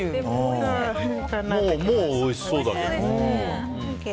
もうおいしそうだけどね。